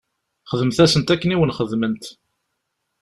Xdemt-asent akken i wen-xedment.